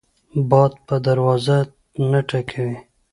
باد په دروازه نه ټکوي